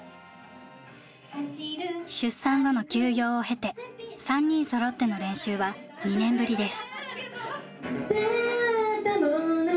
出産後の休養を経て３人そろっての練習は２年ぶりです。